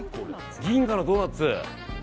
銀河のドーナツ。